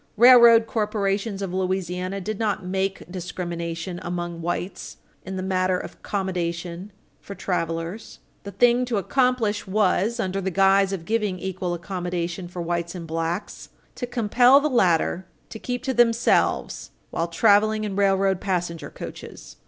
Railroad corporations of Louisiana did not make discrimination among whites in the matter of accommodation for travelers. The thing to accomplish was, under the guise of giving equal accommodation for whites and blacks, to compel the latter to keep to themselves while traveling in railroad passenger coaches.